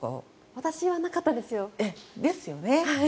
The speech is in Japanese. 私はなかったです。ですよね。